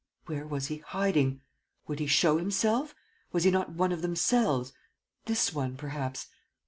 Where was he hiding? Would he show himself? Was he not one of themselves: this one, perhaps